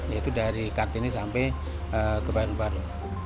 yaitu dari kartini sampai ke baru baru